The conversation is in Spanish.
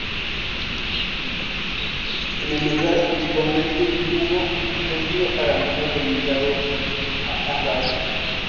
En el lugar antiguamente hubo un templo arameo dedicado a Hadad.